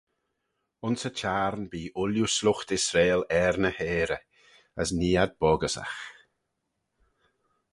Ayns y çhiarn bee ooilley sluight Israel er ny heyrey, as nee ad boggyssagh.